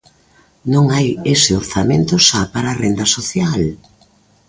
Non hai ese orzamento xa para a renda social.